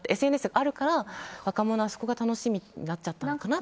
ＳＮＳがあるから若者がそこが楽しみになっちゃったのかな。